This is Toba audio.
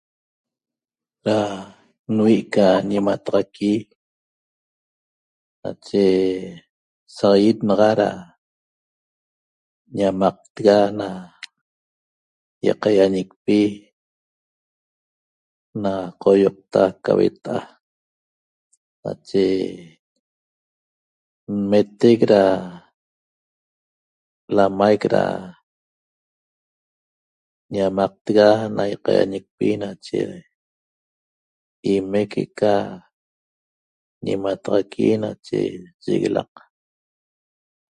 Ra nvi' ca ñemataxaqui nache saxaiet naxa ra ñamaqtega na iqaiañecpi na qoioqta ca hueta'a nache nmetec ra lamaic ra ñamaqtega na iqaiañecpi nache ime que'eca ñemataxaqui nache yiguelaq